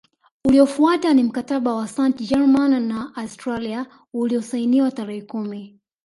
Uliofuata ni Mkataba wa Sant Germain na Austria uliosainiwa tarehe kumi